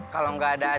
ketemuan aja yuk